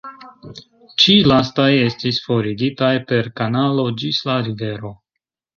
Ĉi lastaj estis forigitaj per kanalo ĝis la rivero.